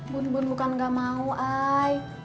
bun bun bukan gak mau i